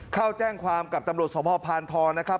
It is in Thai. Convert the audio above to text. เข้าแจ้งความกับตำรวจสมภาพพานทองนะครับ